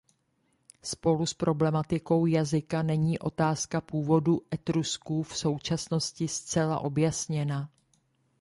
Spolu s problematikou jazyka není otázka původu Etrusků v současnosti zcela objasněna.